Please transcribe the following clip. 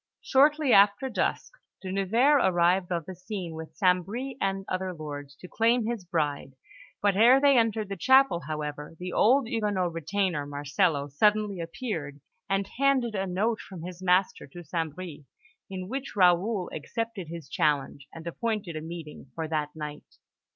Shortly after dusk, De Nevers arrived on the scene with St. Bris and other lords, to claim his bride; but ere they entered the chapel, however, the old Huguenot retainer, Marcello, suddenly appeared, and handed a note from his master to St. Bris, in which Raoul accepted his challenge, and appointed a meeting for that night.